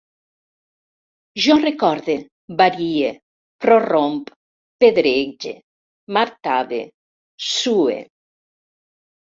Jo recorde, varie, prorromp, pedrege, martave, sue